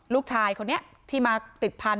ลูกชายคนนี้ที่มาติดพันธุ